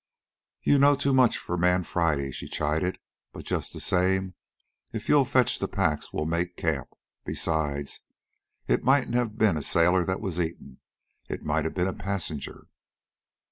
"You know too much for Man Friday," she chided; "but, just the same; if you'll fetch the packs we'll make camp. Besides, it mightn't have been a sailor that was eaten. It might have been a passenger."